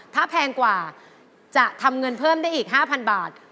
ถ้าแพงกว่าจะทำเงินเพิ่มได้อีก๕๐๐บาท